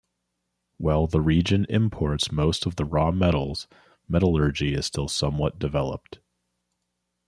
While the region imports most of the raw metals, metallurgy is still somewhat developed.